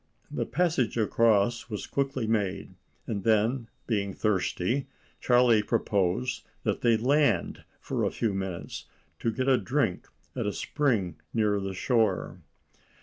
The passage across was quickly made, and then, being thirsty, Charlie proposed that they land for a few minutes to get a drink at a spring near the shore.